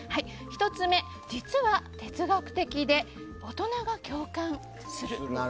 １つ目、実は哲学的で大人が共感する。